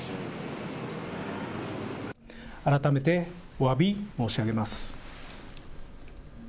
改めておわび申し上げます。